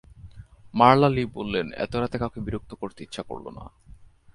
মারলা Lee বললেন, এত রাতে কাউকে বিরক্ত করতে ইচ্ছা করল না।